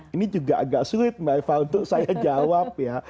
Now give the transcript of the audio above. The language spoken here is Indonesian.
ini juga agak sulit mbak eva untuk saya jawab ya